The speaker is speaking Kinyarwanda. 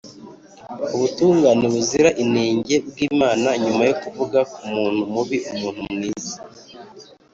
ubutungane buzira inenge bw'Imana Nyuma yo kuvuga ku muntu mubi, umuntu mwiza,